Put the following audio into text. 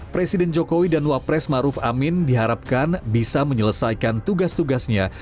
presiden jokowi dan wapres maruf amin diharapkan bisa menyelesaikan tugas tugasnya